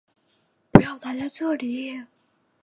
不要待在这里